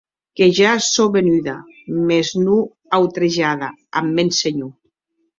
Que ja sò venuda, mès non autrejada ath mèn senhor.